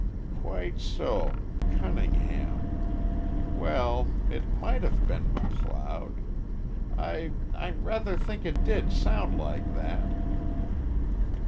"Quite so Cunningham. Well, it might have been McLeod. I I rather think it did sound like that."